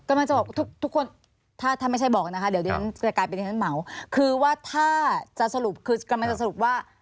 กำลังจะบอกทุกทุกคนถ้าถ้าไม่ใช่บอกนะคะเดี๋ยวดิฉันจะกลายเป็นที่ฉันเหมาคือว่าถ้าจะสรุปคือกำลังจะสรุปว่า